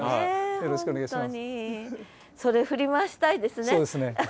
よろしくお願いします。